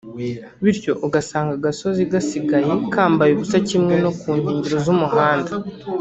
bityo ugasanga agasozi gasigaye kambaye ubusa kimwe no ku nkengero z’umuhanda